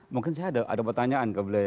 mungkin saya ada pertanyaan ke beliau